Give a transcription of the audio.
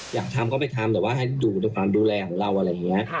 อยากทำก็ไปทำแต่ว่าให้อยู่ในความดูแลของเราอะไรอย่างนี้